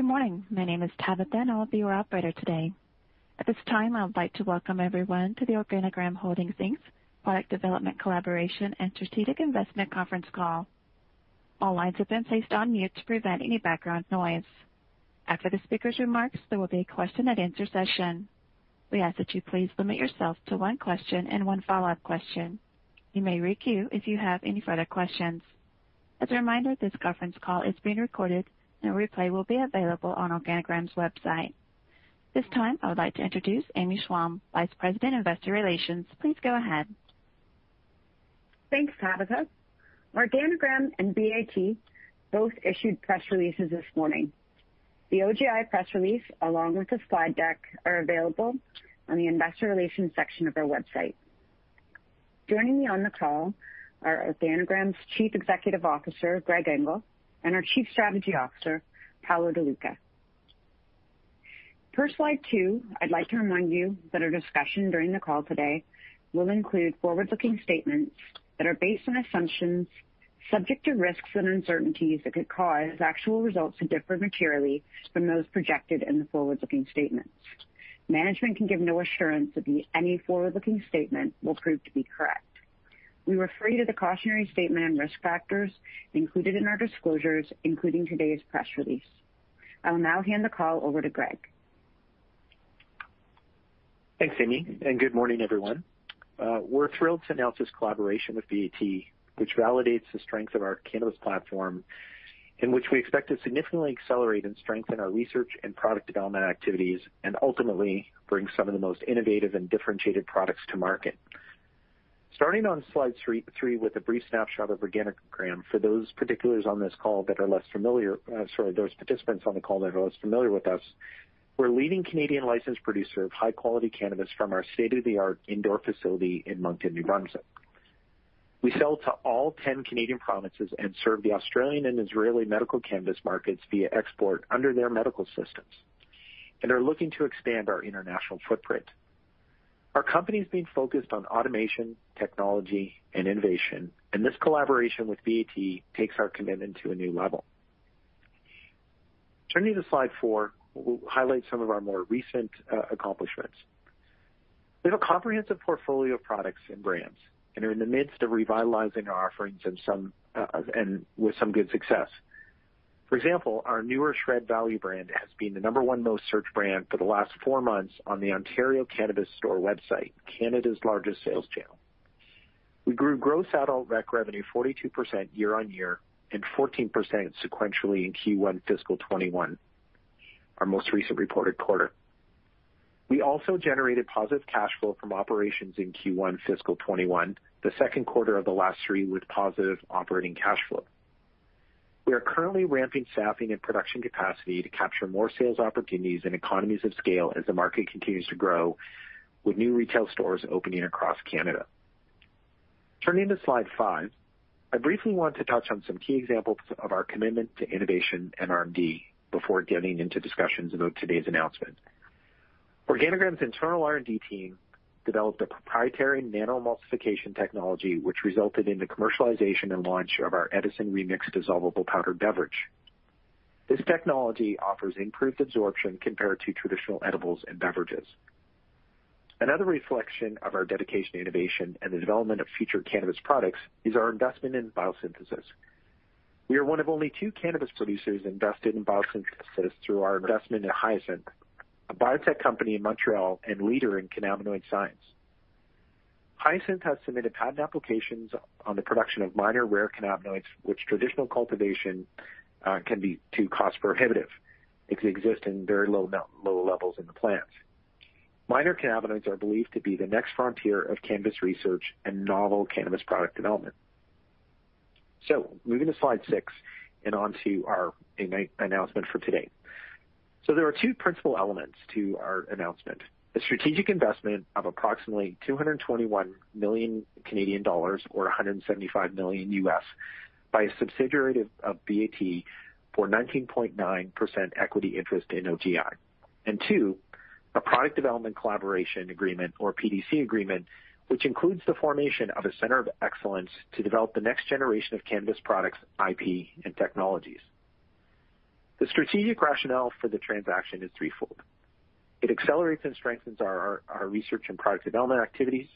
Good morning. My name is Tabitha, and I'll be your operator today. At this time, I would like to welcome everyone to the Organigram Holdings Inc's Product Development Collaboration and Strategic Investment Conference Call. All lines have been placed on mute to prevent any background noise. After the speaker's remarks, there will be a question-and-answer session. We ask that you please limit yourself to one question and one follow-up question. You may requeue if you have any further questions. As a reminder, this conference call is being recorded, and a replay will be available on Organigram's website. This time, I would like to introduce Amy Schwalm, VP, Investor Relations. Please go ahead. Thanks, Tabitha. Organigram and BAT both issued press releases this morning. The OGI press release, along with the slide deck, are available on the Investor Relations section of our website. Joining me on the call are Organigram's CEO, Greg Engel, and our Chief Strategy Officer, Paolo De Luca. First, Slide two, I'd like to remind you that our discussion during the call today will include forward-looking statements that are based on assumptions subject to risks and uncertainties that could cause actual results to differ materially from those projected in the forward-looking statements. Management can give no assurance that any forward-looking statement will prove to be correct. We refer you to the cautionary statement on risk factors included in our disclosures, including today's press release. I will now hand the call over to Greg. Thanks, Amy, and good morning, everyone. We're thrilled to announce this collaboration with BAT, which validates the strength of our cannabis platform, in which we expect to significantly accelerate and strengthen our research and product development activities and ultimately bring some of the most innovative and differentiated products to market. Starting on slide three with a brief snapshot of Organigram for those participants on the call that are less familiar with us. We're a leading Canadian licensed producer of high-quality cannabis from our state-of-the-art indoor facility in Moncton, New Brunswick. We sell to all 10 Canadian provinces and serve the Australian and Israeli medical cannabis markets via export under their medical systems and are looking to expand our international footprint. Our company's been focused on automation, technology, and innovation, and this collaboration with BAT takes our commitment to a new level. Turning to Slide four, we'll highlight some of our more recent accomplishments. We have a comprehensive portfolio of products and brands and are in the midst of revitalizing our offerings and with some good success. For example, our newer SHRED value brand has been the number one most searched brand for the last four months on the Ontario Cannabis Store website, Canada's largest sales channel. We grew gross adult rec revenue 42% year-on-year and 14% sequentially in Q1 fiscal 2021, our most recent reported quarter. We also generated positive cash flow from operations in Q1 fiscal 2021, the Q2 of the last three with positive operating cash flow. We are currently ramping staffing and production capacity to capture more sales opportunities and economies of scale as the market continues to grow, with new retail stores opening across Canada. Turning to Slide five, I briefly want to touch on some key examples of our commitment to innovation and R&D before getting into discussions about today's announcement. Organigram's internal R&D team developed a proprietary nano-emulsification technology, which resulted in the commercialization and launch of our Edison RE:MIX dissolvable powdered beverage. This technology offers improved absorption compared to traditional edibles and beverages. Another reflection of our dedication to innovation and the development of future cannabis products is our investment in biosynthesis. We are one of only two cannabis producers invested in biosynthesis through our investment in Hyasynth, a biotech company in Montreal and leader in cannabinoid science. Hyasynth has submitted patent applications on the production of minor rare cannabinoids, which traditional cultivation can be too cost prohibitive. It could exist in very low levels in the plants. Minor cannabinoids are believed to be the next frontier of cannabis research and novel cannabis product development. So moving to Slide six and onto our announcement for today. So there are two principal elements to our announcement: the strategic investment of approximately 221 million Canadian dollars, or $175 million, by a subsidiary of BAT for 19.9% equity interest in OGI. Two, a product development collaboration agreement, or PDC agreement, which includes the formation of a Center of Excellence to develop the next generation of cannabis products, IP, and technologies. The strategic rationale for the transaction is threefold: It accelerates and strengthens our research and product development activities,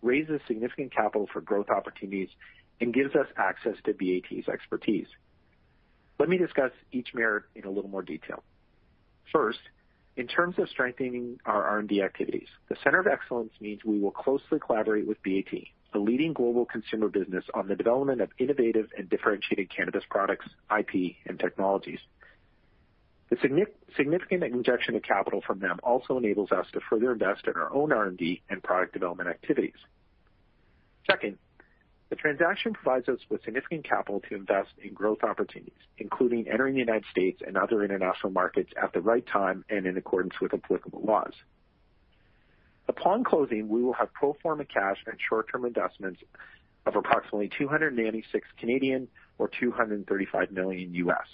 raises significant capital for growth opportunities, and gives us access to BAT's expertise. Let me discuss each merit in a little more detail. First, in terms of strengthening our R&D activities, the Center of Excellence means we will closely collaborate with BAT, the leading global consumer business, on the development of innovative and differentiated cannabis products, IP, and technologies. The significant injection of capital from them also enables us to further invest in our own R&D and product development activities. Second, the transaction provides us with significant capital to invest in growth opportunities, including entering the United States and other International markets at the right time and in accordance with applicable laws. Upon closing, we will have pro forma cash and short-term investments of approximately 296 million or $235 million US.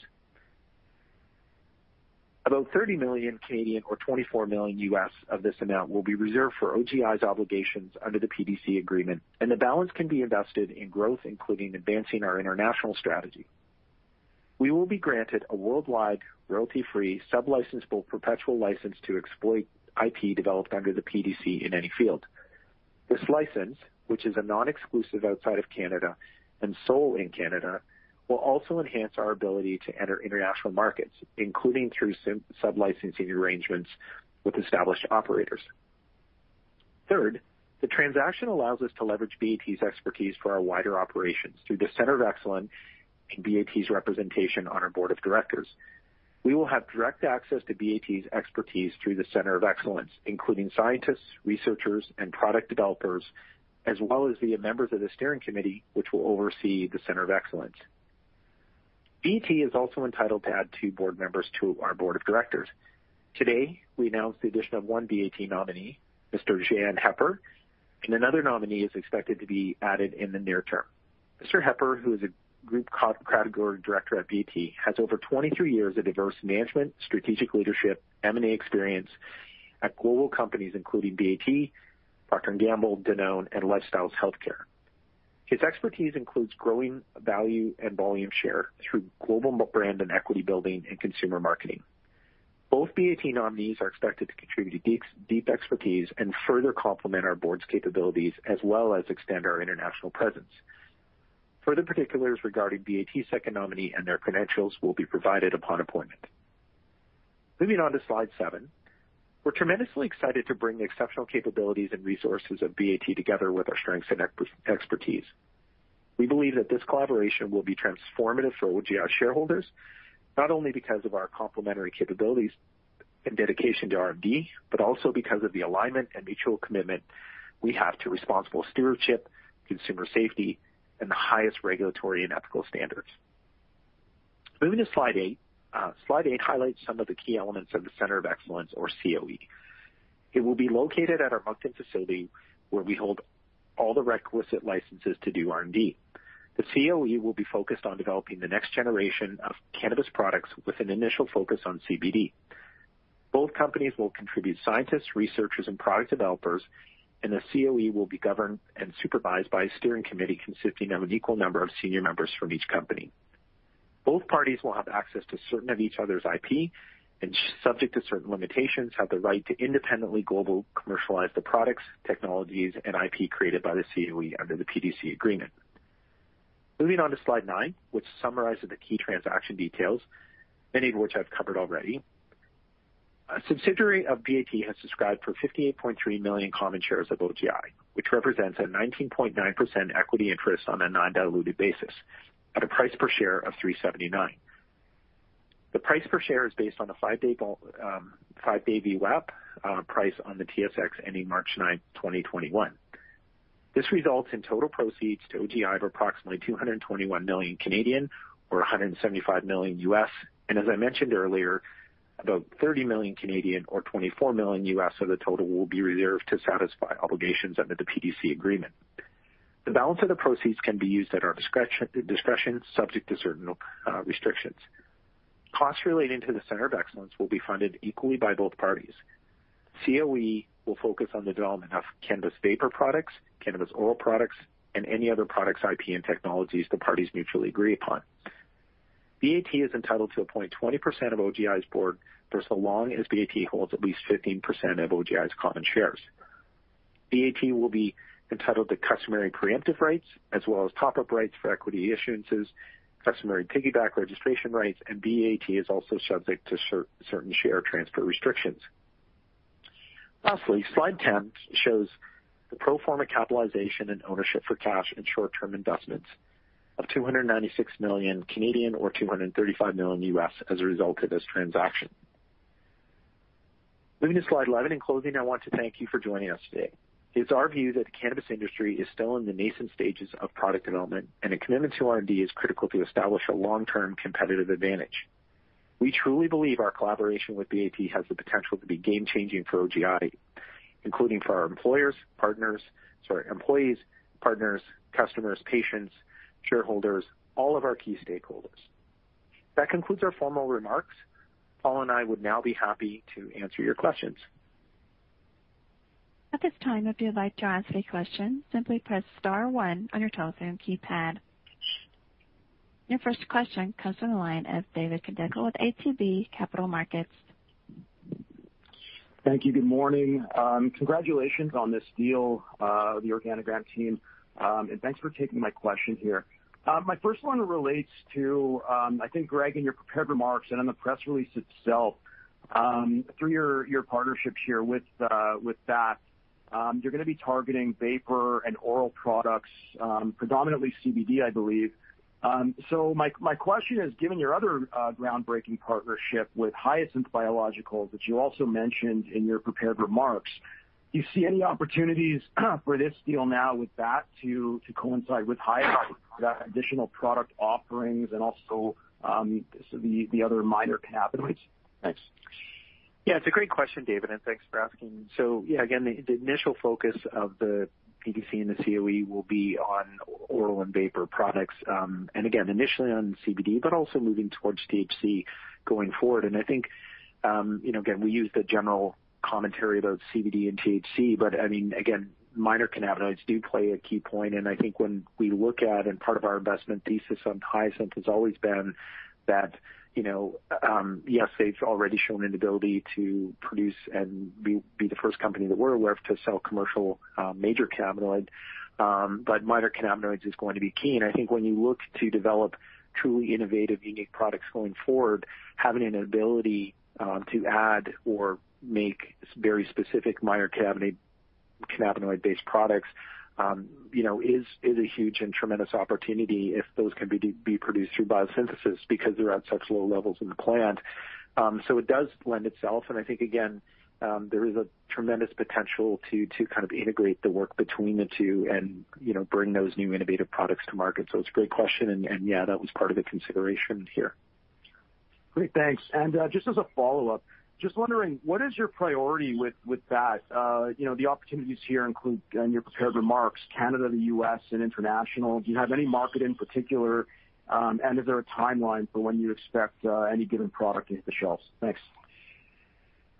About 30 million or $24 million of this amount will be reserved for OGI's obligations under the PDC agreement, and the balance can be invested in growth, including advancing our international strategy. We will be granted a worldwide, royalty-free, sub-licensable, perpetual license to exploit IP developed under the PDC in any field. This license, which is a non-exclusive outside of Canada and sole in Canada, will also enhance our ability to enter International markets, including through sub-licensing arrangements with established operators. Third, the transaction allows us to leverage BAT's expertise for our wider operations through the Center of Excellence and BAT's representation on our Board of Directors. We will have direct access to BAT's expertise through the Center of Excellence, including scientists, researchers, and product developers, as well as the members of the steering committee, which will oversee the Center of Excellence. BAT is also entitled to add two board members to our Board of Directors. Today, we announced the addition of one BAT nominee, Mr. Jochen Hepper, and another nominee is expected to be added in the near term. Mr. Hepper, who is a group co-category director at BAT, has over 23 years of diverse management, strategic leadership, M&A experience at global companies, including BAT, Procter & Gamble, Danone, and LifeStyles Healthcare. His expertise includes growing value and volume share through global brand and equity building and consumer marketing. Both BAT nominees are expected to contribute deep, deep expertise and further complement our board's capabilities, as well as extend our international presence. Further particulars regarding BAT's second nominee and their credentials will be provided upon appointment. Moving on to Slide seven. We're tremendously excited to bring the exceptional capabilities and resources of BAT together with our strengths and expertise. We believe that this collaboration will be transformative for OGI shareholders, not only because of our complementary capabilities and dedication to R&D, but also because of the alignment and mutual commitment we have to responsible stewardship, consumer safety, and the highest regulatory and ethical standards. Moving to slide eight. Slide eight highlights some of the key elements of the Center of Excellence, or CoE. It will be located at our Moncton facility, where we hold all the requisite licenses to do R&D. The CoE will be focused on developing the next generation of cannabis products with an initial focus on CBD. Both companies will contribute scientists, researchers, and product developers, and the CoE will be governed and supervised by a steering committee consisting of an equal number of senior members from each company. Both parties will have access to certain of each other's IP and, subject to certain limitations, have the right to independently globally commercialize the products, technologies, and IP created by the CoE under the PDC agreement. Moving on to Slide nine, which summarizes the key transaction details, many of which I've covered already. A subsidiary of BAT has subscribed for 58.3 million common shares of OGI, which represents a 19.9% equity interest on a non-diluted basis at a price per share of 3.79. The price per share is based on a five-day VWAP price on the TSX ending March 9th, 2021. This results in total proceeds to OGI of approximately 221 million, or $175 million. As I mentioned earlier, about 30 million or $24 million of the total will be reserved to satisfy obligations under the PDC agreement. The balance of the proceeds can be used at our discretion, subject to certain restrictions. Costs relating to the Center of Excellence will be funded equally by both parties. CoE will focus on the development of cannabis vapor products, cannabis oil products, and any other products, IP, and technologies the parties mutually agree upon. BAT is entitled to appoint 20% of OGI's Board for so long as BAT holds at least 15% of OGI's common shares. BAT will be entitled to customary preemptive rights as well as top-up rights for equity issuances, customary piggyback registration rights, and BAT is also subject to certain share transfer restrictions. Lastly, Slide 10 shows the pro forma capitalization and ownership for cash and short-term investments of 296 million, or $235 million, as a result of this transaction. Moving to Slide 11. In closing, I want to thank you for joining us today. It's our view that the cannabis industry is still in the nascent stages of product development, and a commitment to R&D is critical to establish a long-term competitive advantage. We truly believe our collaboration with BAT has the potential to be game changing for OGI, including for our employers, partners... Sorry, employees, partners, customers, patients, shareholders, all of our key stakeholders. That concludes our formal remarks. Paolo and I would now be happy to answer your questions. At this time, if you'd like to ask a question, simply press star one on your telephone keypad. Your first question comes from the line of David Kideckel with ATB Capital Markets. Thank you. Good morning. Congratulations on this deal, the Organigram team, and thanks for taking my question here. My first one relates to, I think, Greg, in your prepared remarks and in the press release itself, through your partnerships here with BAT, you're gonna be targeting vapor and oral products, predominantly CBD, I believe. So my question is, given your other groundbreaking partnership with Hyasynth Biologicals, that you also mentioned in your prepared remarks, do you see any opportunities for this deal now with BAT to coincide with Hyasynth, for that additional product offerings and also the other minor cannabinoids? Thanks. Yeah, it's a great question, David, and thanks for asking. Yeah, again, the initial focus of the PDC and the CoE will be on oral and vapor products, and again, initially on CBD, but also moving towards THC going forward. I think, you know, again, we use the general commentary about CBD and THC, but, I mean, again, minor cannabinoids do play a key point. I think when we look at and part of our investment thesis on Hyasynth has always been that, you know, yes, they've already shown an ability to produce and be the first company that we're aware of to sell commercial major cannabinoid, but minor cannabinoids is going to be key. I think when you look to develop truly innovative, unique products going forward, having an ability to add or make very specific minor cannabinoid, cannabinoid-based products, you know, is a huge and tremendous opportunity if those can be produced through biosynthesis because they're at such low levels in the plant. So it does lend itself, and I think again, there is a tremendous potential to kind of integrate the work between the two and, you know, bring those new innovative products to market. So it's a great question, and yeah, that was part of the consideration here. Great, thanks. And, just as a follow-up, just wondering, what is your priority with that? You know, the opportunities here include, in your prepared remarks, Canada, the U.S., and International. Do you have any market in particular, and is there a timeline for when you expect any given product to hit the shelves? Thanks.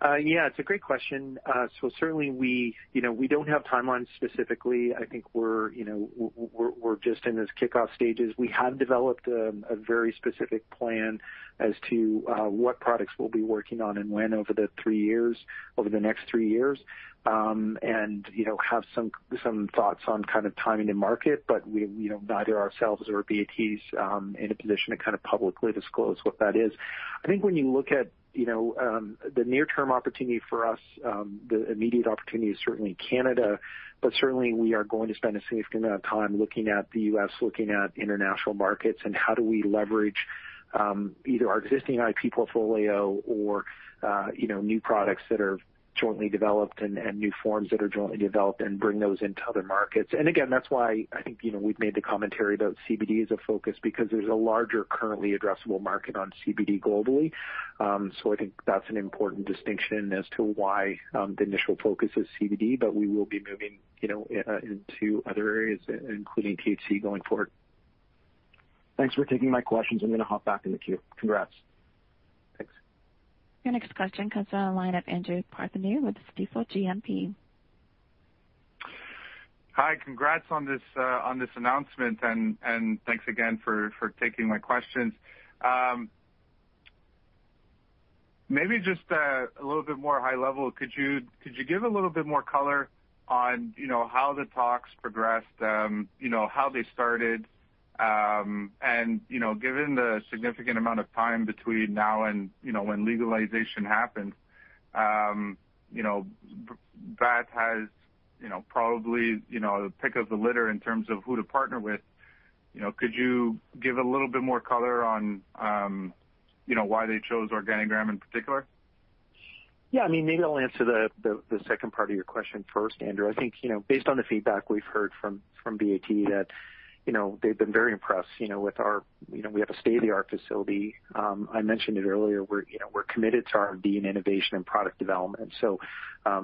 Yeah, it's a great question. So certainly we, you know, we don't have timelines specifically. I think we're, you know, we're just in those kickoff stages. We have developed a very specific plan as to what products we'll be working on and when over the three years, over the next three years, and, you know, have some thoughts on kind of timing to market, but we, you know, neither ourselves or BAT's in a position to kind of publicly disclose what that is. I think when you look at, you know, the near term opportunity for us, the immediate opportunity is certainly Canada, but certainly we are going to spend a significant amount of time looking at the U.S., looking at International markets, and how do we leverage, either our existing IP portfolio or, you know, new products that are jointly developed and, and new forms that are jointly developed and bring those into other markets. Again, that's why I think, you know, we've made the commentary about CBD as a focus, because there's a larger currently addressable market on CBD globally. So I think that's an important distinction as to why the initial focus is CBD, but we will be moving, you know, into other areas, including THC, going forward. Thanks for taking my questions. I'm going to hop back in the queue. Congrats. Thanks. Your next question comes on the line of Andrew Partheniou with Stifel GMP. Hi, congrats on this, on this announcement, and, and thanks again for, for taking my questions. Maybe just, a little bit more high level, could you, could you give a little bit more color on, you know, how the talks progressed, you know, how they started? And, you know, given the significant amount of time between now and, you know, when legalization happened, you know, BAT has, you know, probably, you know, the pick of the litter in terms of who to partner with. You know, could you give a little bit more color on, you know, why they chose Organigram in particular? Yeah, I mean, maybe I'll answer the second part of your question first, Andrew. I think, you know, based on the feedback we've heard from BAT, that, you know, they've been very impressed, you know, with our... You know, we have a state-of-the-art facility. I mentioned it earlier, we're, you know, committed to R&D and innovation and product development, so,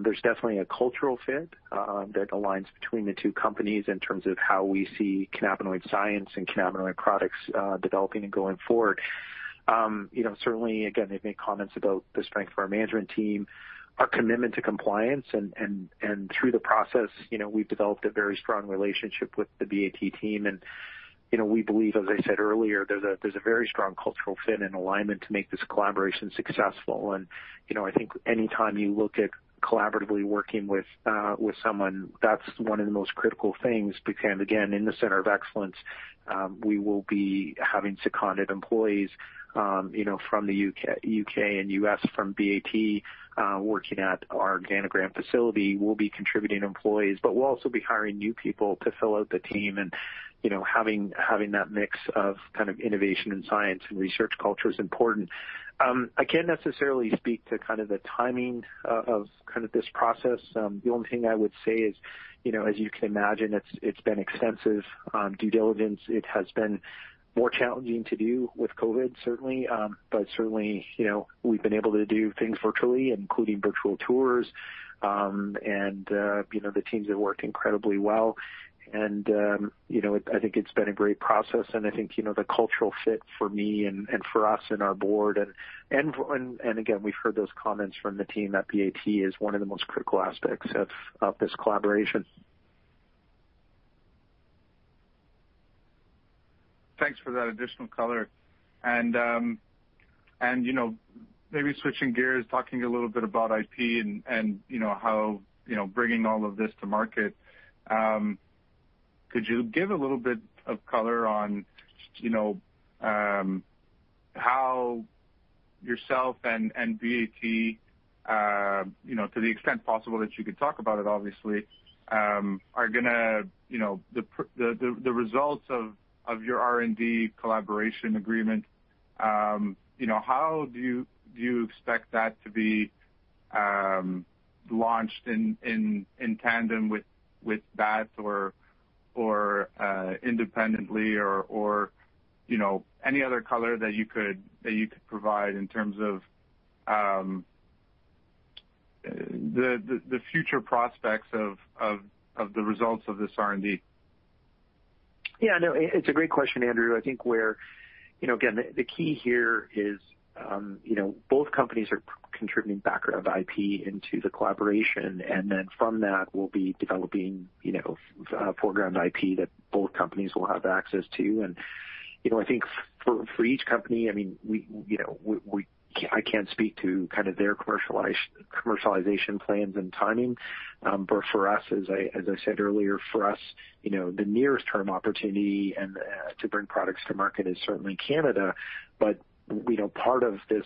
there's definitely a cultural fit, that aligns between the two companies in terms of how we see cannabinoid science and cannabinoid products developing and going forward. You know, certainly, again, they've made comments about the strength of our management team, our commitment to compliance, and through the process, you know, we've developed a very strong relationship with the BAT team. You know, we believe, as I said earlier, there's a very strong cultural fit and alignment to make this collaboration successful. You know, I think any time you look at collaboratively working with someone, that's one of the most critical things, because, again, in the center of excellence, we will be having seconded employees, you know, from the U.K. and U.S., from BAT, working at our Organigram facility. We'll be contributing employees, but we'll also be hiring new people to fill out the team. You know, having that mix of kind of innovation and science and research culture is important. I can't necessarily speak to kind of the timing of kind of this process. The only thing I would say is, you know, as you can imagine, it's been extensive due diligence. It has been more challenging to do with COVID, certainly, but certainly, you know, we've been able to do things virtually, including virtual tours, and you know, the teams have worked incredibly well, and you know, I think it's been a great process, and I think, you know, the cultural fit for me and for us and our board, and again, we've heard those comments from the team at BAT, is one of the most critical aspects of this collaboration. Thanks for that additional color. You know, maybe switching gears, talking a little bit about IP and, you know, how, you know, bringing all of this to market, could you give a little bit of color on, you know, how yourself and BAT, you know, to the extent possible that you could talk about it, obviously, are gonna, you know. The results of your R&D collaboration agreement, you know, how do you expect that to be launched in tandem with that or independently or, you know, any other color that you could provide in terms of the future prospects of the results of this R&D? Yeah, no, it's a great question, Andrew. I think where, you know, again, the key here is, you know, both companies are contributing background IP into the collaboration, and then from that, we'll be developing, you know, foreground IP that both companies will have access to. And, you know, I think for each company, I mean, you know, we, we- I can't speak to kind of their commercialized- commercialization plans and timing. But for us, as I said earlier, for us, you know, the nearest term opportunity and to bring products to market is certainly Canada. But you know, part of this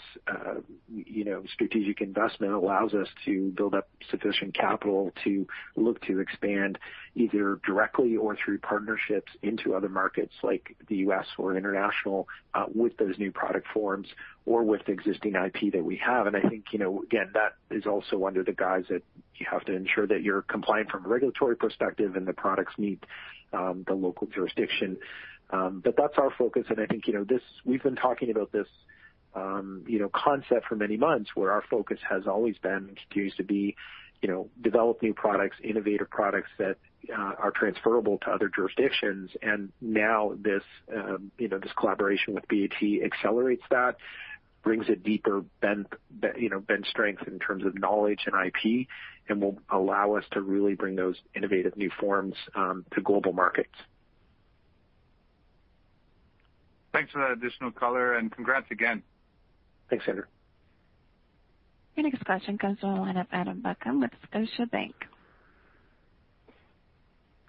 strategic investment allows us to build up sufficient capital to look to expand either directly or through partnerships into other markets like the U.S. or International with those new product forms or with the existing IP that we have. And I think, you know, again, that is also under the guise that you have to ensure that you're compliant from a regulatory perspective, and the products meet the local jurisdiction. But that's our focus, and I think, you know, this. We've been talking about this you know concept for many months, where our focus has always been and continues to be, you know, develop new products, innovative products that are transferable to other jurisdictions. Now this, you know, this collaboration with BAT accelerates that, brings a deeper bench, you know, bench strength in terms of knowledge and IP, and will allow us to really bring those innovative new forms to global markets. Thanks for that additional color, and congrats again. Thanks, Andrew. Your next question comes from the line of Adam Buckham with Scotiabank.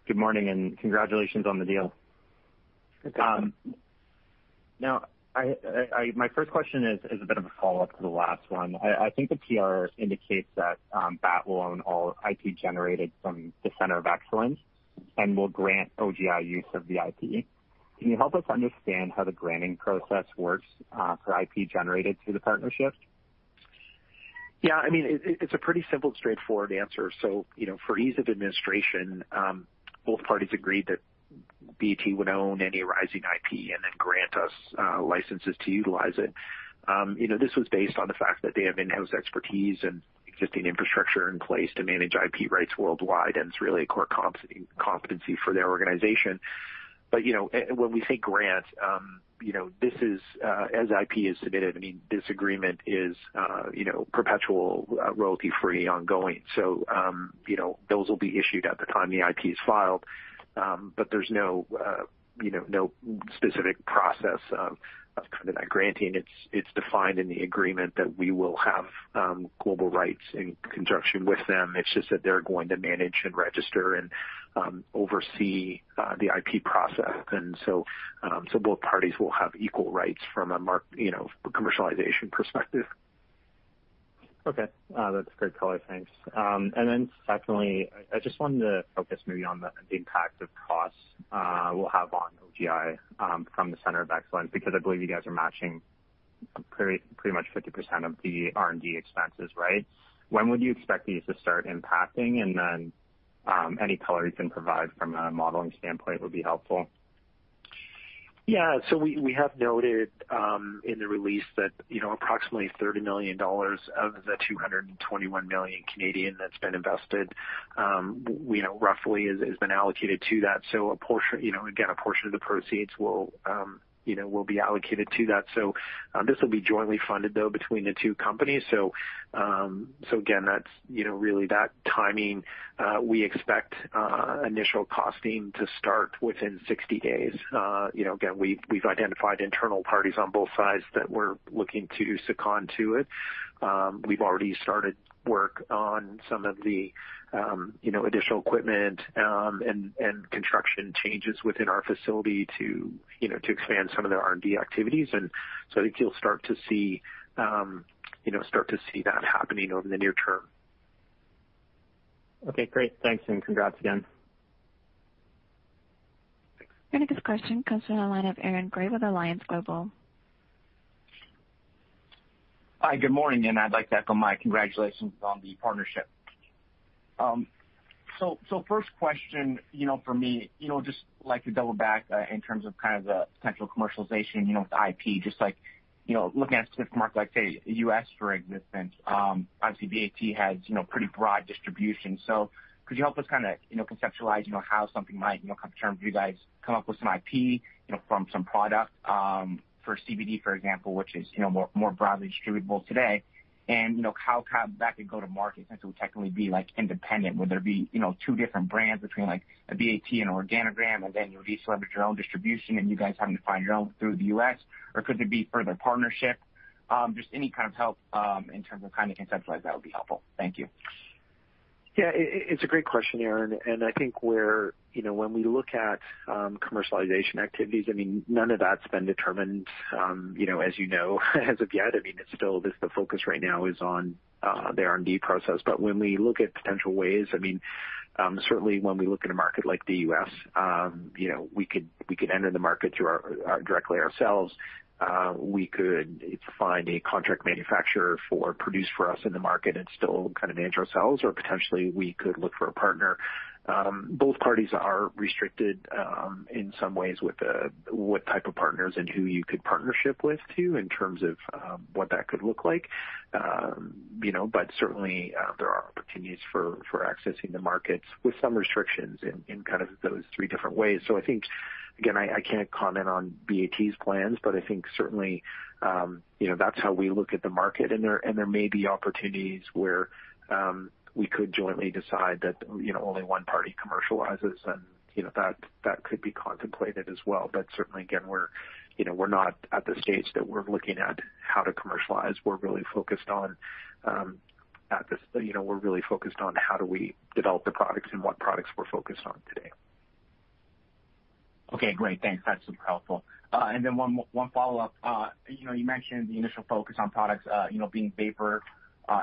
Good morning, and congratulations on the deal. Good morning. Now, my first question is a bit of a follow-up to the last one. I think the PR indicates that BAT will own all IP generated from the Center of Excellence and will grant OGI use of the IP. Can you help us understand how the granting process works for IP generated through the partnership? Yeah, I mean, it, it's a pretty simple, straightforward answer. So, you know, for ease of administration, both parties agreed that BAT would own any rising IP and then grant us, licenses to utilize it. You know, this was based on the fact that they have in-house expertise and existing infrastructure in place to manage IP rights worldwide, and it's really a core competency for their organization. But, you know, when we say grant, you know, this is, as IP is submitted, I mean, this agreement is, you know, perpetual, royalty-free, ongoing. So, you know, those will be issued at the time the IP is filed. But there's no, you know, no specific process, of kind of that granting. It's, it's defined in the agreement that we will have, global rights in conjunction with them. It's just that they're going to manage and register and oversee the IP process, and so both parties will have equal rights from a marketing, you know, commercialization perspective. Okay, that's great color. Thanks. And then secondly, I just wanted to focus maybe on the impact of costs will have on OGI from the Center of Excellence, because I believe you guys are matching pretty much 50% of the R&D expenses, right? When would you expect these to start impacting? And then, any color you can provide from a modeling standpoint would be helpful. Yeah. So we have noted in the release that, you know, approximately 30 million dollars of the 221 million Canadian that's been invested, you know, roughly has been allocated to that. So a portion, you know, again, a portion of the proceeds will, you know, will be allocated to that. So, so again, that's, you know, really that timing, we expect initial costing to start within 60 days. You know, again, we've identified internal parties on both sides that we're looking to second to it. We've already started work on some of the, you know, additional equipment, and construction changes within our facility to, you know, to expand some of their R&D activities. I think you'll start to see, you know, start to see that happening over the near term. Okay, great. Thanks, and congrats again. Thanks. Our next question comes from the line of Aaron Grey with Alliance Global. Hi, good morning, and I'd like to echo my congratulations on the partnership. So first question, you know, for me, you know, just like to double back in terms of kind of the potential commercialization, you know, with the IP, just like, you know, looking at specific markets, like, say, U.S., for instance. Obviously, BAT has, you know, pretty broad distribution. So could you help us kind of, you know, conceptualize, you know, how something might, you know, come to term for you guys, come up with some IP, you know, from some product for CBD, for example, which is, you know, more broadly distributable today? And, you know, how that could go to market, since it would technically be, like, independent. Would there be, you know, two different brands between, like, a BAT and Organigram, and then you would each leverage your own distribution and you guys having to find your own through the U.S., or could there be further partnership? Just any kind of help, in terms of kind of conceptualize, that would be helpful. Thank you. Yeah, it, it's a great question, Aaron, and I think where, you know, when we look at commercialization activities, I mean, none of that's been determined, you know, as you know, as of yet. I mean, it's still the focus right now is on the R&D process. But when we look at potential ways, I mean. Certainly when we look at a market like the U.S., you know, we could enter the market through our directly ourselves. We could find a contract manufacturer for produce for us in the market and still kind of manage ourselves, or potentially we could look for a partner. Both parties are restricted in some ways with what type of partners and who you could partnership with, too, in terms of what that could look like. You know, but certainly, there are opportunities for accessing the markets with some restrictions in kind of those three different ways. So I think, again, I can't comment on BAT's plans, but I think certainly, you know, that's how we look at the market. And there may be opportunities where we could jointly decide that, you know, only one party commercializes, and, you know, that could be contemplated as well. But certainly, again, we're, you know, we're not at the stage that we're looking at how to commercialize. We're really focused on, you know, we're really focused on how do we develop the products and what products we're focused on today. Okay, great. Thanks. That's super helpful. And then one follow-up. You know, you mentioned the initial focus on products, you know, being vapor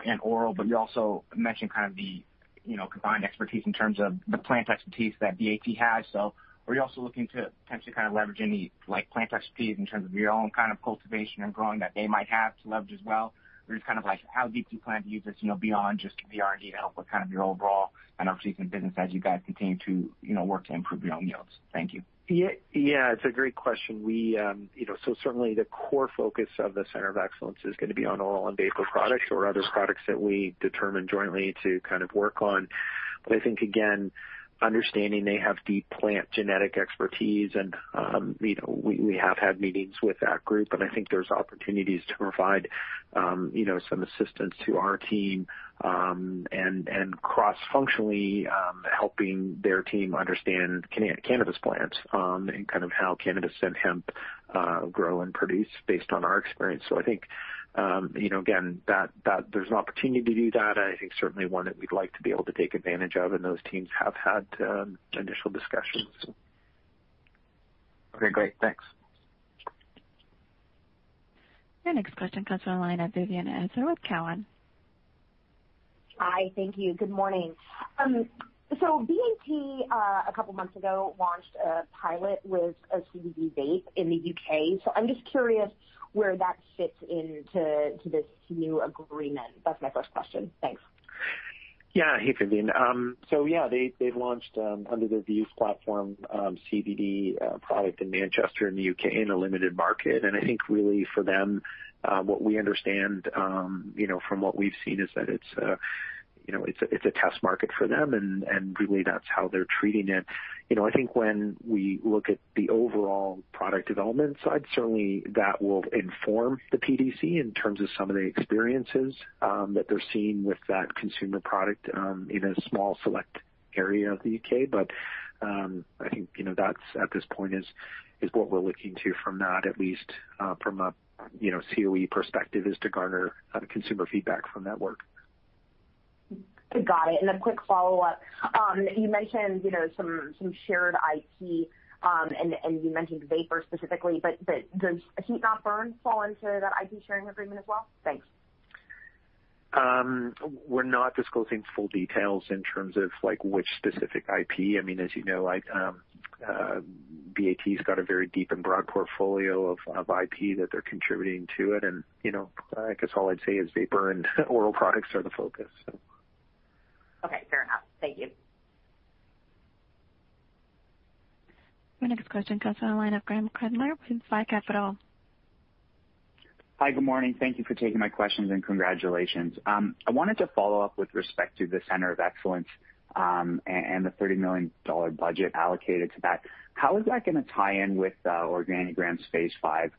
and oral, but you also mentioned kind of the, you know, combined expertise in terms of the plant expertise that BAT has. So are you also looking to potentially kind of leverage any, like, plant expertise in terms of your own kind of cultivation and growing that they might have to leverage as well? Or just kind of, like, how deep do you plan to use this, you know, beyond just the R&D to help with kind of your overall and ultimate business as you guys continue to, you know, work to improve your own yields? Thank you. Yeah. Yeah, it's a great question. We, you know, so certainly the core focus of the Center of Excellence is gonna be on oral and vapor products or other products that we determine jointly to kind of work on. But I think, again, understanding they have deep plant genetic expertise and, you know, we, we have had meetings with that group, and I think there's opportunities to provide, you know, some assistance to our team, and, and cross-functionally, helping their team understand cannabis plants, and kind of how cannabis and hemp grow and produce based on our experience. So I think, you know, again, that, that there's an opportunity to do that, and I think certainly one that we'd like to be able to take advantage of, and those teams have had initial discussions. Okay, great. Thanks. Your next question comes from the line of Vivien Azer with Cowen. Hi. Thank you. Good morning. So BAT a couple months ago launched a pilot with a CBD vape in the U.K. So I'm just curious where that fits into this new agreement? That's my first question. Thanks. Yeah. Hey, Vivien. So yeah, they, they've launched under their Vuse platform CBD product in Manchester, in the U.K., in a limited market. I think really for them what we understand you know from what we've seen is that it's you know it's a, it's a test market for them, and really that's how they're treating it. You know, I think when we look at the overall product development side, certainly that will inform the PDC in terms of some of the experiences that they're seeing with that consumer product in a small select area of the U.K. But I think you know that's at this point is what we're looking to from that, at least from a you know CoE perspective, is to garner consumer feedback from that work. Got it. And a quick follow-up. You mentioned, you know, some shared IP, and you mentioned vapor specifically, but does heat-not-burn fall into that IP sharing agreement as well? Thanks. We're not disclosing full details in terms of, like, which specific IP. I mean, as you know, BAT's got a very deep and broad portfolio of IP that they're contributing to it, and, you know, I guess all I'd say is vapor and oral products are the focus, so. Okay, fair enough. Thank you. My next question comes on the line of Graeme Kreindler with Eight Capital. Hi, good morning. Thank you for taking my questions, and congratulations. I wanted to follow up with respect to the Center of Excellence, and the 30 million dollar budget allocated to that. How is that gonna tie in with Organigram's Phase 5?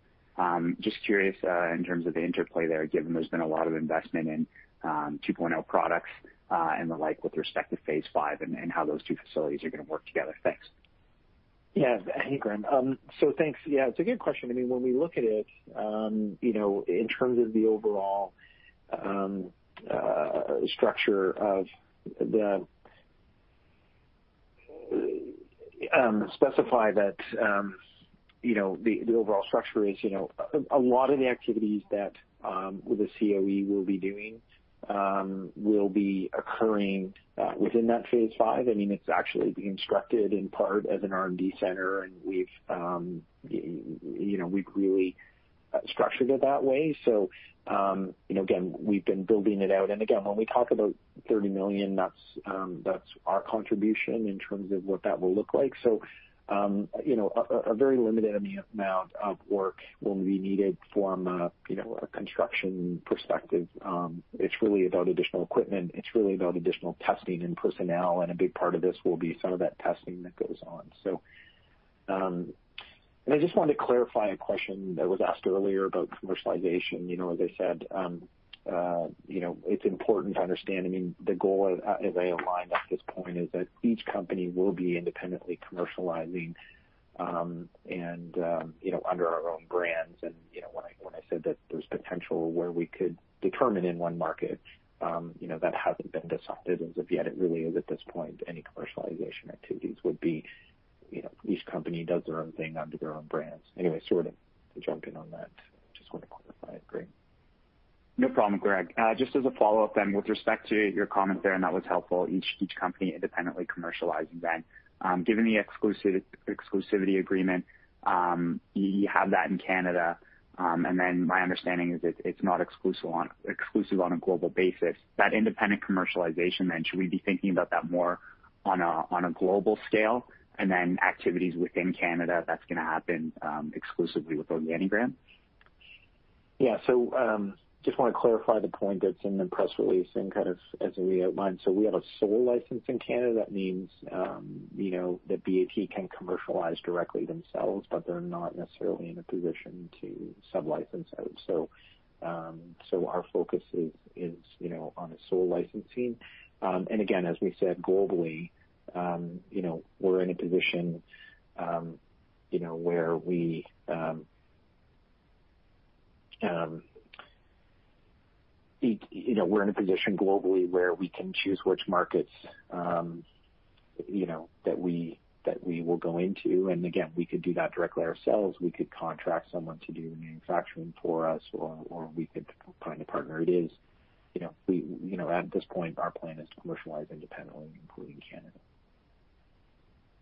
Just curious, in terms of the interplay there, given there's been a lot of investment in 2.0 products, and the like with respect to Phase 5 and how those two facilities are gonna work together. Thanks. Yeah. Hey, Graeme. So thanks. Yeah, it's a good question. I mean, when we look at it, you know, in terms of the overall structure. You know, the overall structure is, you know, a lot of the activities that the CoE will be doing will be occurring within that Phase 5. I mean, it's actually being structured in part as an R&D center, and we've, you know, we've really structured it that way. So, you know, again, we've been building it out and again, when we talk about 30 million, that's our contribution in terms of what that will look like. So, you know, a very limited amount of work will be needed from a construction perspective. It's really about additional equipment. It's really about additional testing and personnel, and a big part of this will be some of that testing that goes on. So, and I just wanted to clarify a question that was asked earlier about commercialization. You know, as I said, you know, it's important to understand. I mean, the goal as they align at this point is that each company will be independently commercializing, and, you know, under our own brands. And, you know, when I said that there's potential where we could determine in one market, you know, that hasn't been decided as of yet. It really is at this point, any commercialization activities would be, you know, each company does their own thing under their own brands. Anyway, sort of to jump in on that, just want to clarify it. Great. No problem, Greg. Just as a follow-up then, with respect to your comment there, and that was helpful, each company independently commercializing then. Given the exclusive, exclusivity agreement, you have that in Canada, and then my understanding is it's not exclusive on a global basis. That independent commercialization, then, should we be thinking about that more on a global scale and then activities within Canada, that's going to happen exclusively with Organigram? Yeah. So, just want to clarify the point that's in the press release and kind of as we outlined. So we have a sole license in Canada. That means, you know, that BAT can commercialize directly themselves, but they're not necessarily in a position to sub-license out. So, our focus is, you know, on a sole licensing and again, as we said globally, you know, we're in a position globally where we can choose which markets, you know, that we will go into. Again, we could do that directly ourselves. We could contract someone to do manufacturing for us, or we could find a partner. You know, at this point, our plan is to commercialize independently, including Canada.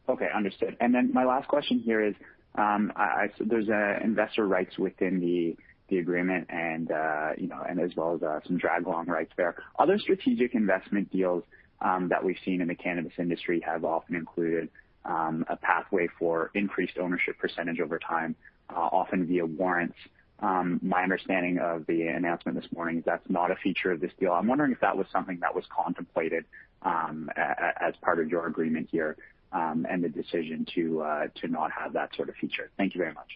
Okay, understood. Then my last question here is, so there's investor rights within the agreement and, you know, and as well as, some drag along rights there. Other strategic investment deals that we've seen in the cannabis industry have often included a pathway for increased ownership percentage over time, often via warrants. My understanding of the announcement this morning is that's not a feature of this deal. I'm wondering if that was something that was contemplated, as part of your agreement here, and the decision to not have that sort of feature. Thank you very much.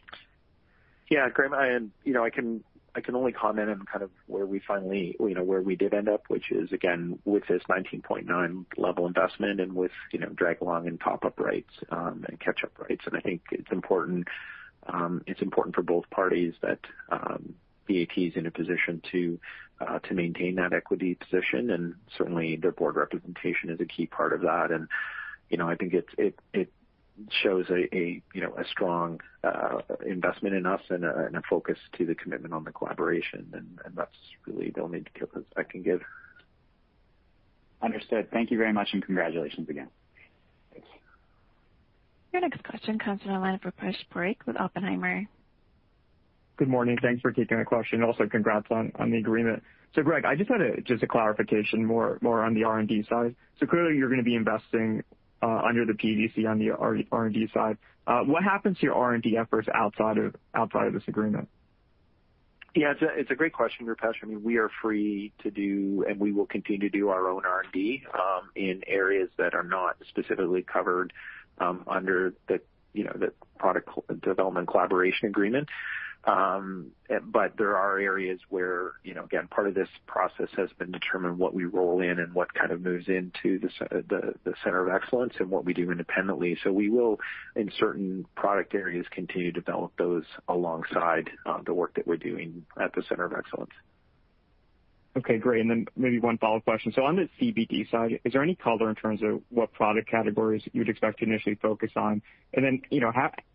Yeah, Graeme, you know, I can only comment on kind of where we finally, you know, where we did end up, which is, again, with this 19.9 level investment and with, you know, drag-along and top-up rights, and catch-up rights. I think it's important, it's important for both parties that BAT is in a position to maintain that equity position, and certainly their Board representation is a key part of that. And, you know, I think it's, it shows a, you know, a strong investment in us and a focus to the commitment on the collaboration, and that's really the only details I can give. Understood. Thank you very much, and congratulations again. Thanks. Your next question comes on the line for Rupesh Parikh with Oppenheimer. Good morning. Thanks for taking my question. Also, congrats on the agreement. So, Greg, I just had a clarification, more on the R&D side. So clearly you're going to be investing under the PDC on the R&D side. What happens to your R&D efforts outside of this agreement? Yeah, it's a great question, Rupesh. I mean, we are free to do, and we will continue to do our own R&D in areas that are not specifically covered under the, you know, the product development collaboration agreement. But there are areas where, you know, again, part of this process has been determining what we roll in and what kind of moves into the Center of Excellence and what we do independently. So we will, in certain product areas, continue to develop those alongside the work that we're doing at the Center of Excellence. Okay, great and then maybe one follow-up question. So on the CBD side, is there any color in terms of what product categories you'd expect to initially focus on? And then, you know...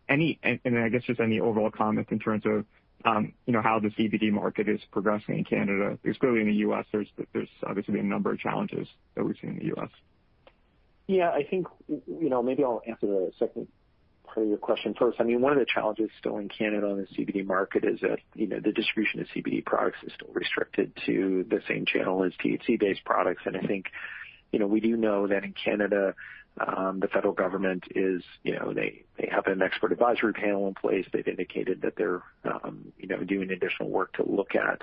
And I guess, just any overall comments in terms of, you know, how the CBD market is progressing in Canada? Because clearly in the U.S. there's obviously a number of challenges that we've seen in the U.S. Yeah, I think, you know, maybe I'll answer the second part of your question first. I mean, one of the challenges still in Canada on the CBD market is that, you know, the distribution of CBD products is still restricted to the same channel as THC-based products. I think, you know, we do know that in Canada, the federal government is, you know, they have an expert advisory panel in place. They've indicated that they're, you know, doing additional work to look at,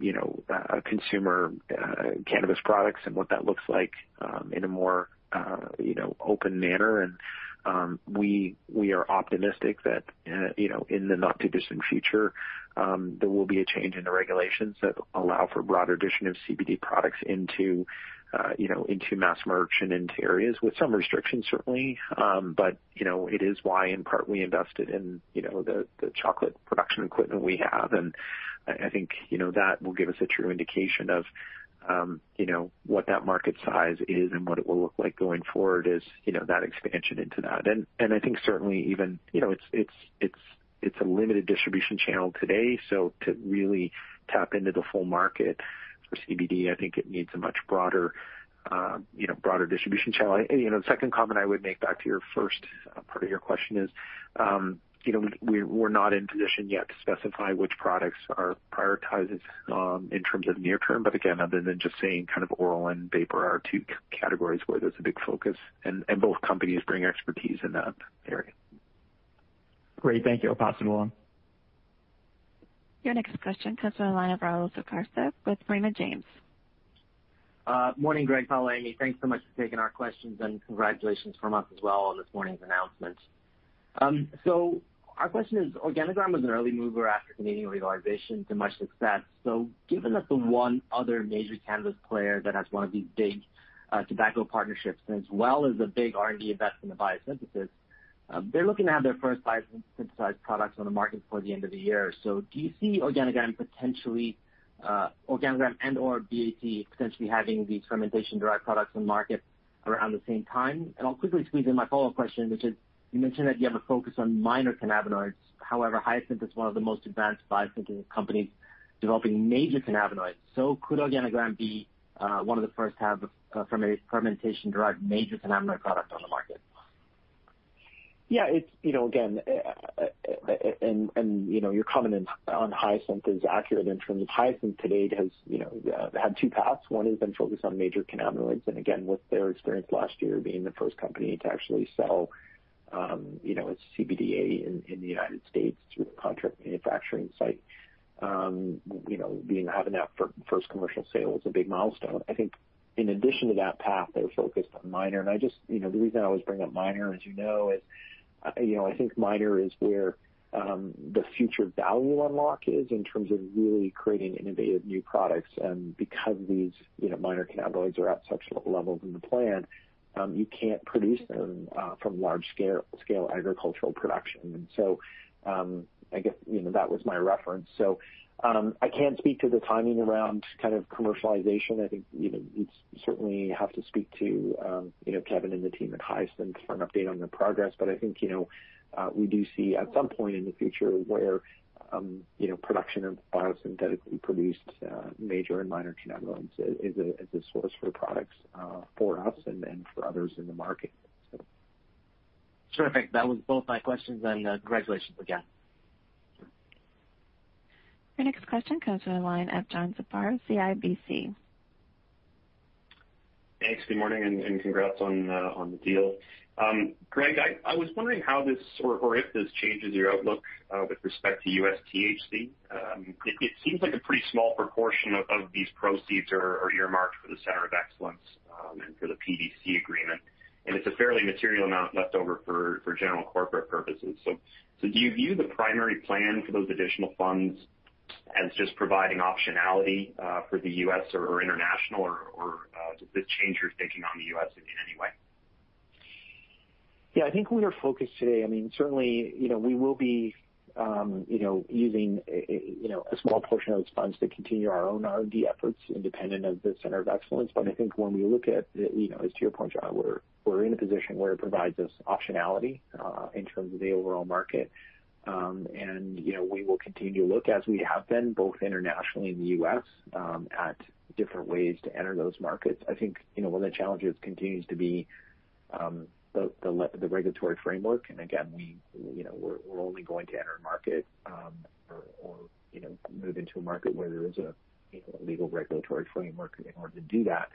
you know, consumer cannabis products and what that looks like, in a more, you know, open manner. We are optimistic that, you know, in the not too distant future, there will be a change in the regulations that allow for broader addition of CBD products into, you know, into mass merch and into areas with some restrictions, certainly. But, you know, it is why in part we invested in, you know, the chocolate production equipment we have. I think, you know, that will give us a true indication of, you know, what that market size is and what it will look like going forward as, you know, that expansion into that. I think certainly even, you know, it's a limited distribution channel today, so to really tap into the full market for CBD, I think it needs a much broader, you know, broader distribution channel. You know, the second comment I would make back to your first part of your question is, you know, we, we're not in position yet to specify which products are prioritized, in terms of near term, but again, other than just saying kind of oral and vapor are two categories where there's a big focus, and both companies bring expertise in that area. Great. Thank you. I'll pass it along. Your next question comes on the line from Rahul Sarugaser with Raymond James. Morning, Greg Engel. Thanks so much for taking our questions, and congratulations from us as well on this morning's announcement. So our question is, Organigram was an early mover after Canadian legalization to much success. So given that the one other major cannabis player that has one of these big tobacco partnerships, and as well as a big R&D investment in Hyasynth, they're looking to have their first Hyasynth-synthesized products on the market before the end of the year. So do you see Organigram potentially, Organigram and/or BAT potentially having these fermentation-derived products in market around the same time? And I'll quickly squeeze in my follow-up question, which is: You mentioned that you have a focus on minor cannabinoids. However, Hyasynth is one of the most advanced biosynthetics companies developing major cannabinoids. Could Organigram be one of the first to have a fermentation-derived, major cannabinoid product on the market? .Yeah, it's, you know, again, and you know, your comment on Hyasynth is accurate in terms of Hyasynth to date has, you know, had two paths. One has been focused on major cannabinoids, and again, with their experience last year being the first company to actually sell, you know, its CBDA in the United States through the contract manufacturing site. You know, having that first commercial sale was a big milestone. I think in addition to that path, they're focused on minor and I just, you know, the reason I always bring up minor, as you know, is, you know, I think minor is where the future value unlock is in terms of really creating innovative new products. Because these, you know, minor cannabinoids are at such low levels in the plant, you can't produce them from large scale agricultural production. I guess, you know, that was my reference. I can't speak to the timing around kind of commercialization. I think, you know, you'd certainly have to speak to, you know, Kevin and the team at Hyasynth for an update on their progress. But I think, you know, we do see at some point in the future where, you know, production of biosynthetically produced major and minor cannabinoids is as a source for products for us and then for others in the market, so. Terrific. That was both my questions and, congratulations again. Your next question comes from the line of John Zamparo, CIBC World Markets. Thanks. Good morning, and congrats on the deal. Greg, I was wondering how this or if this changes your outlook with respect to U.S. THC. It seems like a pretty small proportion of these proceeds are earmarked for the center of excellence, and for the PDC agreement, and it's a fairly material amount left over for general corporate purposes. So do you view the primary plan for those additional funds as just providing optionality for the U.S. or International, or does this change your thinking on the U.S. in any way? Yeah, I think we are focused today. I mean, certainly, you know, we will be using a small portion of those funds to continue our own R&D efforts, independent of the Center of Excellence. But I think when we look at, you know, as to your point, John, we're in a position where it provides us optionality in terms of the overall market. And, you know, we will continue to look, as we have been, both internationally and in the U.S., at different ways to enter those markets. I think, you know, one of the challenges continues to be the regulatory framework. And again, we, you know, we're only going to enter a market or you know, move into a market where there is a you know, legal regulatory framework in order to do that.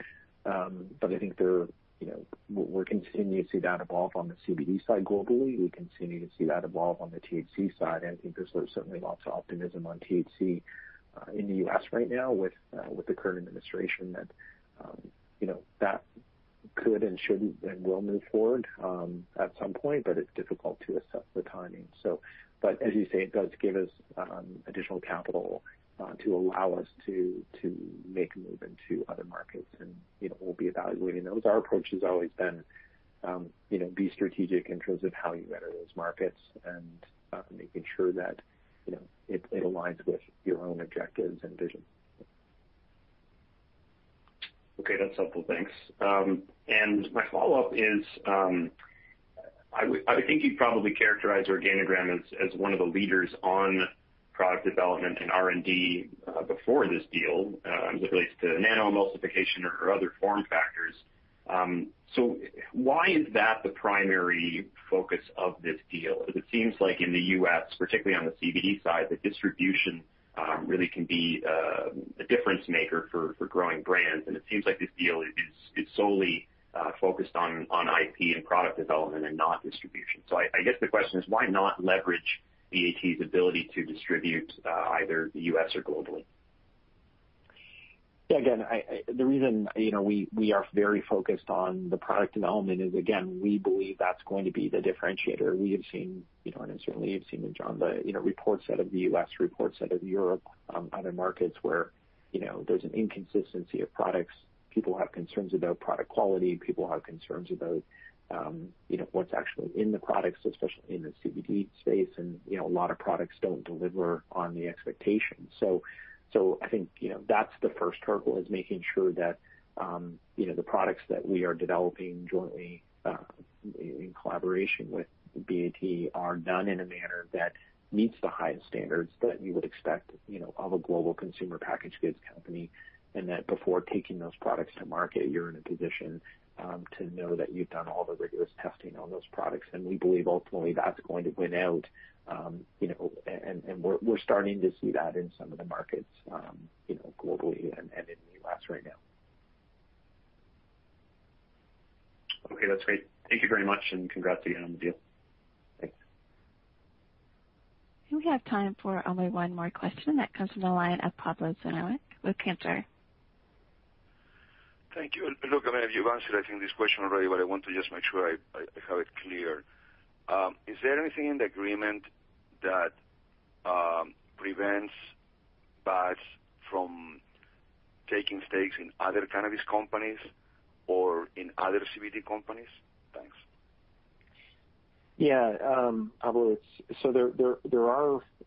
But I think, you know, we're continuing to see that evolve on the CBD side globally. We continue to see that evolve on the THC side and I think there's certainly lots of optimism on THC in the U.S. right now with the current administration that you know, that could and should and will move forward at some point, but it's difficult to assess the timing. So, but as you say, it does give us additional capital to allow us to make a move into other markets, and you know, we'll be evaluating those. Our approach has always been, you know, be strategic in terms of how you enter those markets and, making sure that, you know, it aligns with your own objectives and vision. Okay, that's helpful. Thanks, and my follow-up is, I would think you'd probably characterize Organigram as one of the leaders on product development and R&D before this deal, as it relates to nano-emulsification or other form factors, so why is that the primary focus of this deal? It seems like in the U.S., particularly on the CBD side, the distribution really can be a difference maker for growing brands, and it seems like this deal is solely focused on IP and product development and not distribution, so I guess the question is: Why not leverage BAT's ability to distribute, either the U.S. or globally? Yeah. Again, the reason, you know, we are very focused on the product development is, again, we believe that's going to be the differentiator. We have seen, you know, and certainly you've seen it, John, the reports out of the U.S., reports out of Europe, other markets where, you know, there's an inconsistency of products. People have concerns about product quality. People have concerns about, you know, what's actually in the products, especially in the CBD space. And, you know, a lot of products don't deliver on the expectations. So I think, you know, that's the first hurdle, is making sure that, you know, the products that we are developing jointly, in collaboration with BAT, are done in a manner that meets the highest standards that you would expect, you know, of a global consumer packaged goods company. That before taking those products to market, you're in a position to know that you've done all the rigorous testing on those products. We believe ultimately that's going to win out. You know, we're starting to see that in some of the markets, you know, globally and in the U.S. right now. Okay, that's great. Thank you very much, and congrats again on the deal. Thanks. We have time for only one more question, that comes from the line of Pablo Zuanic with Cantor Fitzgerald. Thank you. Look, I mean, you've answered, I think, this question already, but I want to just make sure I have it clear. Is there anything in the agreement that prevents BAT from taking stakes in other cannabis companies or in other CBD companies? Thanks. Yeah, Pablo, so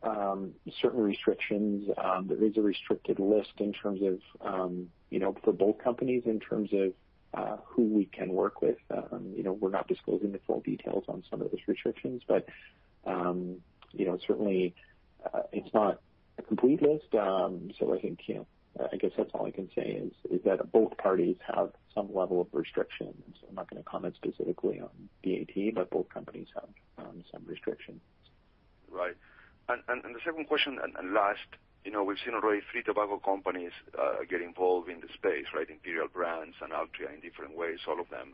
there are certain restrictions. There is a restricted list in terms of, you know, for both companies, in terms of who we can work with. You know, we're not disclosing the full details on some of those restrictions, but, you know, certainly, it's not a complete list. So I think, you know, I guess that's all I can say is that both parties have some level of restrictions. I'm not going to comment specifically on BAT, but both companies have some restrictions. Right and the second question, and last, you know, we've seen already three tobacco companies get involved in the space, right? Imperial Brands and Altria in different ways, all of them.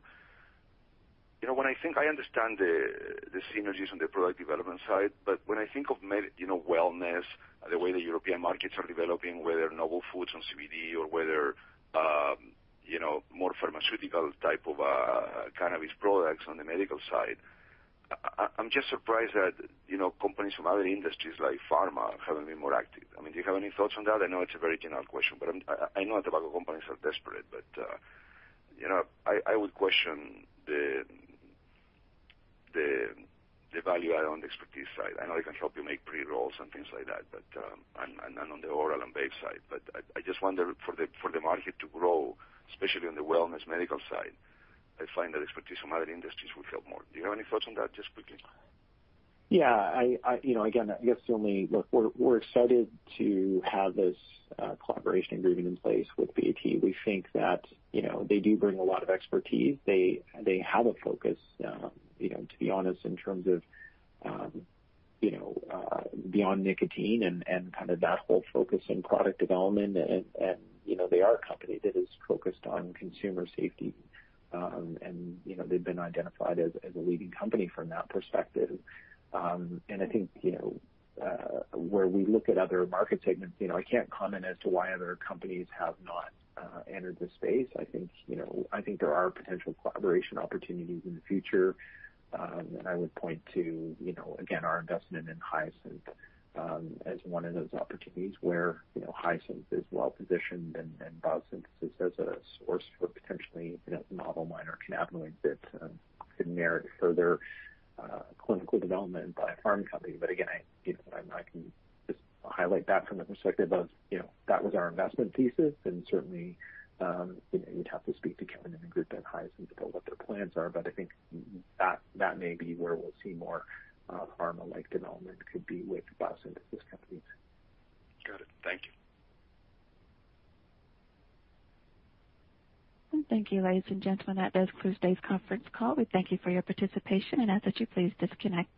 You know, when I think I understand the synergies on the product development side, but when I think of you know, wellness, the way the European markets are developing, whether novel foods on CBD or whether, you know, more pharmaceutical type of cannabis products on the medical side, I'm just surprised that, you know, companies from other industries like pharma haven't been more active. I mean, do you have any thoughts on that? I know it's a very general question, but, I would question the value add on the expertise side. I know they can help you make pre-rolls and things like that, but, and on the oral and vape side. But I just wonder for the market to grow, especially on the wellness medical side, I find that expertise from other industries would help more. Do you have any thoughts on that, just quickly? Yeah, you know, again, I guess the only... Look, we're excited to have this collaboration agreement in place with BAT. We think that, you know, they do bring a lot of expertise. They have a focus, you know, to be honest, in terms of, you know, beyond nicotine and kind of that whole focus in product development. You know, they are a company that is focused on consumer safety and, you know, they've been identified as a leading company from that perspective. I think, you know, where we look at other market segments, you know, I can't comment as to why other companies have not entered the space. I think, you know, I think there are potential collaboration opportunities in the future. I would point to, you know, again, our investment in Hyasynth, as one of those opportunities where, you know, Hyasynth is well positioned and biosynthesis as a source for potentially, you know, novel minor cannabinoids that could merit further clinical development by a pharma company. But again, I, you know, I can just highlight that from the perspective of, you know, that was our investment thesis, and certainly, you know, you'd have to speak to Kevin and the group at Hyasynth about what their plans are. But I think that may be where we'll see more pharma-like development could be with biosynthesis companies. Got it. Thank you. Thank you, ladies and gentlemen. That does conclude today's conference call. We thank you for your participation and ask that you please disconnect your-